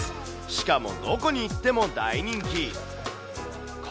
しかもどこに行っても大人気。